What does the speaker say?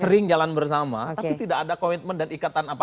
sering jalan bersama tapi tidak ada komitmen dan ikatan apapun